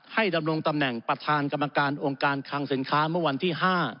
ดำรงตำแหน่งประธานกรรมการองค์การคังสินค้าเมื่อวันที่๕